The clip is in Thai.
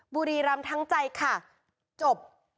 บุรีรำทั้งใจค่ะจบ